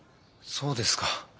そうですか。